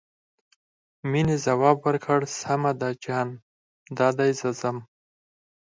مينې ځواب ورکړ سمه ده جان دادی زه ځم.